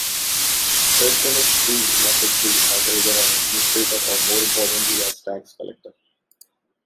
Hyrcanus proved ineffective as either an administrator, or more importantly, as tax collector.